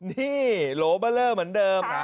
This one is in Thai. นี่โหลบะเริ่มเหมือนเดิม